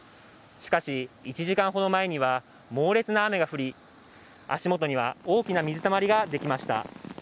しかし、１時間ほど前には猛烈な雨が降り足元には大きな水たまりができました。